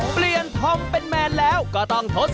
เปลี่ยนทองเป็นแมนแล้วก็ต้องทดสอบกันหน่อย